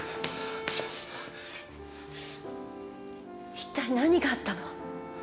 一体何があったの？